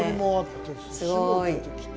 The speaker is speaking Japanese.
すごい。